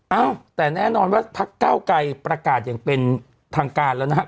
เอ้าแต่แน่นอนว่าพักเก้าไกรประกาศอย่างเป็นทางการแล้วนะครับ